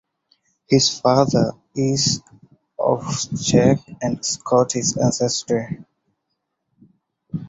His father is of Czech and Scottish ancestry.